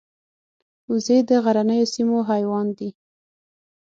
وزې د غرنیو سیمو حیوان دي